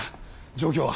状況は？